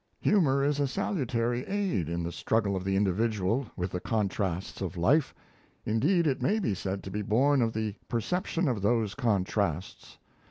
Humour is a salutary aid in the struggle of the individual with the contrasts of life; indeed it may be said to be born of the perception of those contrasts.